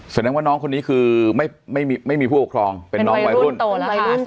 แสดงว่าน้องคนนี้คือไม่ไม่มีไม่มีผู้ออกคลองเป็นน้องวัยรุ่นเป็นวัยรุ่นโตแล้วค่ะ